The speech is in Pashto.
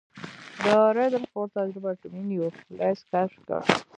د ردرفورډ تجربه اټومي نیوکلیس کشف کړ.